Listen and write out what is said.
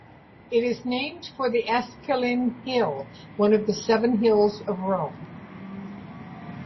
It is named for the Esquiline Hill, one of the Seven Hills of Rome.